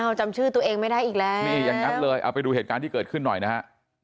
เอาจำชื่อตัวเองไม่ได้อีกแล้วนี่อย่างนั้นเลยเอาไปดูเหตุการณ์ที่เกิดขึ้นหน่อยนะฮะ